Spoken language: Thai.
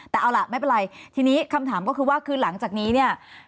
แต่เอาล่ะไม่เป็นไรทีนี้คำถามก็คือว่าคือหลังจากนี้เนี่ย